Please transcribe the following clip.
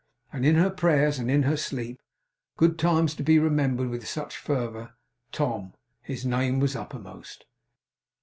And in her prayers and in her sleep good times to be remembered with such fervour, Tom! his name was uppermost.